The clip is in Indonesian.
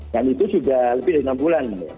dan itu sudah lebih dari enam bulan